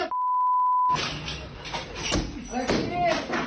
อะไรพี่